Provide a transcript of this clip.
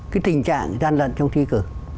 cái tình trạng gian lận trong thi cử